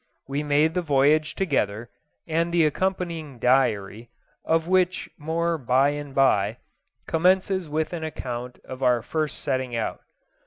We made the voyage together, and the accompanying diary of which more by and by commences with an account of our first setting out.